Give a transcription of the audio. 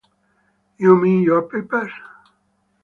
You mean your papers?